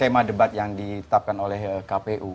tema debat yang ditetapkan oleh kpu